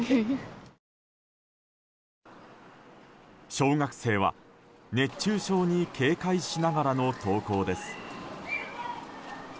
小学生は熱中症に警戒しながらの登校です。